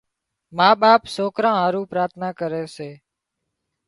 ما ٻاپ سوڪران هارو پراٿنا ڪري سي